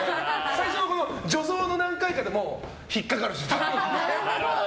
最初の助走の何回かで引っかかるし。